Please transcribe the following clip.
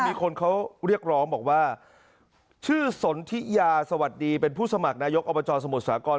มีคนเขาเรียกร้องบอกว่าชื่อสนทิยาสวัสดีเป็นผู้สมัครนายกอบจสมุทรสาคร